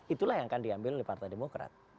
itulah yang akan diambil oleh partai demokrat